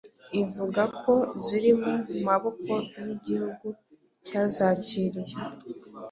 ivuga ko "ziri mu maboko y'igihugu cyazakiriye